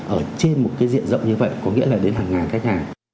ở trên một cái diện rộng như vậy có nghĩa là đến hàng ngàn khách hàng